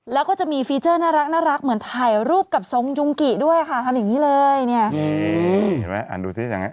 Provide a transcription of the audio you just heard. แล้วก็จะมีฟีเจอร์น่ารักเหมือนถ่ายรูปกับทรงจุงกิด้วยค่ะทำอย่างนี้เลยเนี่ย